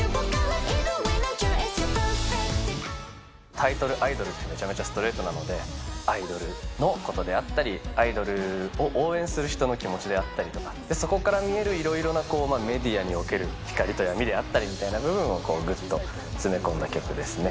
タイトル、アイドルってめちゃめちゃストレートなので、アイドルのことであったり、アイドルを応援する人の気持ちであったりとか、そこから見えるいろいろなメディアにおける光と闇であったりみたいな部分を、ぐっと詰め込んだ曲ですね。